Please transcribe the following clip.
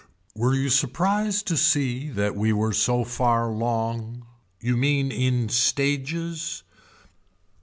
Were you surprised to see that we were so far long. You mean in stages.